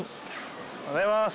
おはようございます。